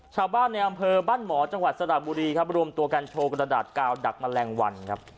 ชาวบ้านในอำเภอบ้านหมอจังหวัดสระบุรีครับรวมตัวกันโชว์กระดาษกาวดักแมลงวันครับ